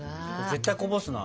絶対こぼすな。